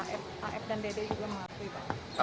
af dan dd juga mengatakan